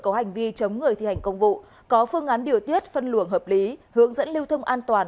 có hành vi chống người thi hành công vụ có phương án điều tiết phân luồng hợp lý hướng dẫn lưu thông an toàn